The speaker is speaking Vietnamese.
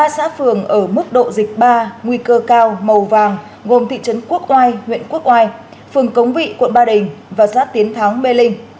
cấp độ dịch ba nguy cơ cao màu vàng gồm thị trấn quốc oai huyện quốc oai phường cống vị quận ba đình và xã tiến thắng bê linh